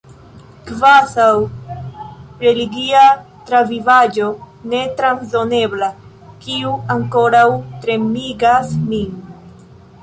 Kvazaŭ religia travivaĵo ne transdonebla, kiu ankoraŭ tremigas min.